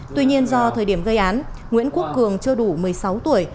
tuy nhiên do thời điểm gây án nguyễn quốc cường chưa đủ một mươi sáu tuổi